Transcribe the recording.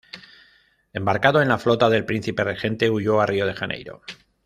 Embarcado en la flota del príncipe regente huyó a Río de Janeiro.